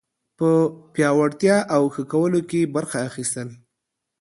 په پیاوړتیا او ښه کولو کې برخه اخیستل